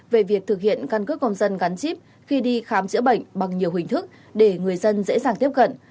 về việc thực hiện căn cước công dân gắn chip khi đi khám chữa bệnh bằng nhiều hình thức để người dân dễ dàng tiếp cận